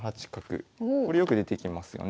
これよく出てきますよね。